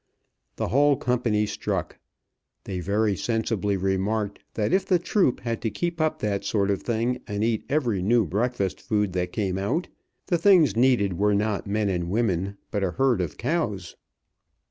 The whole company struck. They very sensibly remarked that if the troup had to keep up that sort of thing and eat every new breakfast food that came out, the things needed were not men and women, but a herd of cows.